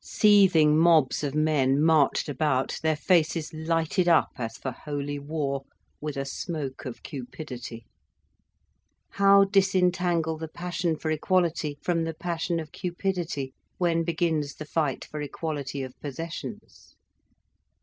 Seething mobs of men marched about, their faces lighted up as for holy war, with a smoke of cupidity. How disentangle the passion for equality from the passion of cupidity, when begins the fight for equality of possessions?